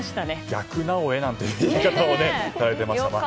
逆「なおエ」なんていう言い方もされていましたね。